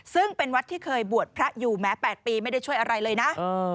ซึ่งเป็นวัดที่เคยบวชพระอยู่แม้๘ปีไม่ได้ช่วยอะไรเลยนะ